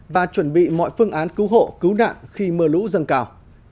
và chuẩn bị mọi phương án cứu hộ cứu nạn khi mưa lũ dâng cao